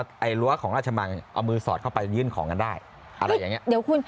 แต่รั้วของราชมังเอามือสอดเข้าไปยื่นของกันได้